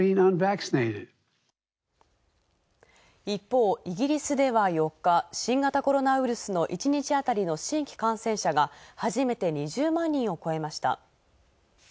一方、イギリスでは４日、新型コロナウイルスの１日あたりの新規感染者が、初めて２０万人を超えました。